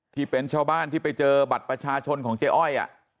ที่เป็นชาวบ้านที่ไปเจอบัตรประชาชนของเจ๊อ้อย